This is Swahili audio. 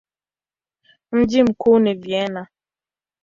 Mji mkuu ni Vienna.